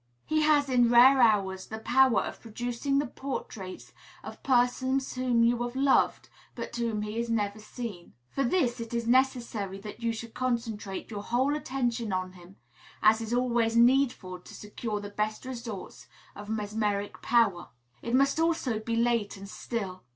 He has in rare hours the power of producing the portraits of persons whom you have loved, but whom he has never seen. For this it is necessary that you should concentrate your whole attention on him, as is always needful to secure the best results of mesmeric power. It must also be late and still.